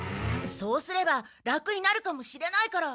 そうすれば楽になるかもしれないから。